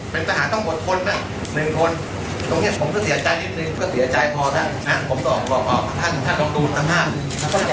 เสียใจไหมพี่ตายน้องตายพ่อตายยังไม่เท่าไรลูกคุณตายทั้งคนน่ะ